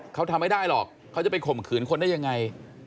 เขาทำไม่ได้หรอกเขาจะไปข่มขืนคนได้ยังไง